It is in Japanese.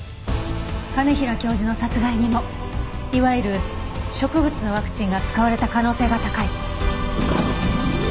兼平教授の殺害にもいわゆる植物のワクチンが使われた可能性が高い。